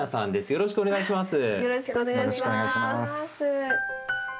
よろしくお願いします。